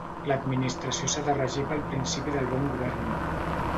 L'Administració s'ha de regir pel principi de bon govern.